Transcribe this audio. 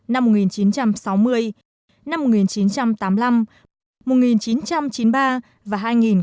năm một nghìn chín trăm sáu mươi năm một nghìn chín trăm tám mươi năm mùa một nghìn chín trăm chín mươi ba và hai nghìn ba